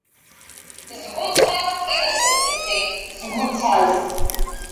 Згәы цаз инасыԥгьы цеит, згәы цаз!